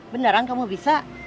beneran kamu bisa